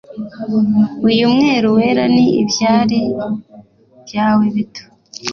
uyu mweru wera ni ibyari byawe bito